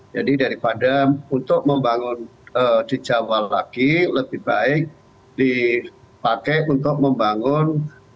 jadi daripada untuk membangun di jawa lagi lebih baik dipakai untuk membangun